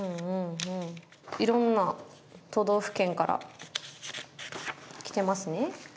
いろんな都道府県から来てますね。